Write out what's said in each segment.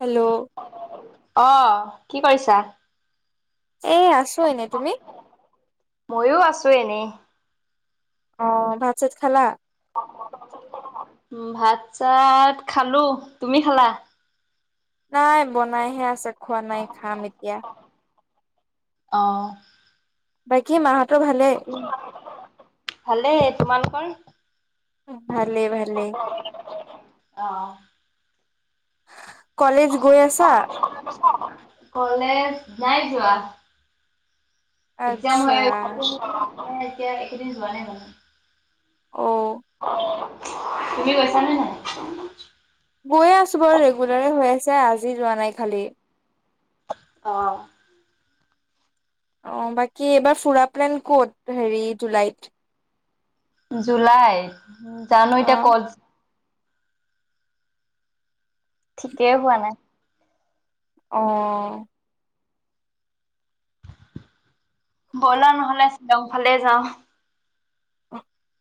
hello অ কি কৰিছা এ আছো এনে তুমি চ এনে অ ভাত চাত খালা উ ভাত চাত খালো তুমি খালা নাই বনাইহে আছে খোৱা নাই খাম এতিয়া আহ বাকী মাহঁত উম ভালে তোমালোকৰ ভালে ভালে আহ কলেজ গৈ আছা কলেজ নাই যোৱা এক্জাম আচ্ছা হয় অই এতিয়া এইেইদিন যোৱা নাই মানে আহ তুমি গৈছানে নাই ি যোৱা নাই খালি আহ অ বাকী এইবাৰ ফুৰা প্লেন ক'ত হেৰি জুলাইত জুলাই উ জানো অ এতিয়া কল ঠিকেই হোৱা নাই আহ বল নহলে শ্বিলং ফালে যাওঁ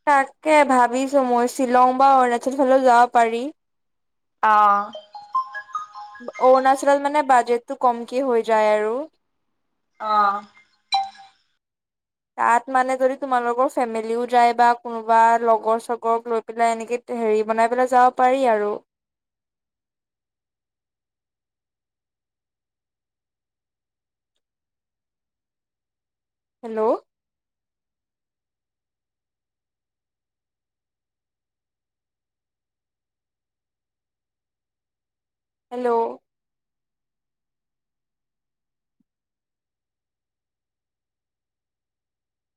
তাকে ভাবিছো মই শ্বিলং বা অৰুণাচল ফালে যাব পাৰি অ', অ ন আ মানে বাজেটটো কমক হৈ যায় আৰু আহ তাত মানে যদি তোমালোকৰ ফেমিলিও যায় বা কোনোবা লগৰ চগৰক লৈ পেলাই এনেকে হেৰি বনাই পেলাই যাব পাৰি আৰু হেল্ল' হেল্ল'